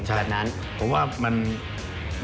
ก็คือคุณอันนบสิงต์โตทองนะครับ